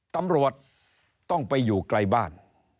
ตำรวจต้องไปอยู่ไกลบ้าน